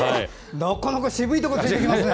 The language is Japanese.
なかなか渋いとこついてきますね。